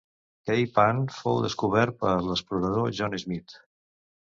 Cape Ann fou descobert per l'explorador John Smith.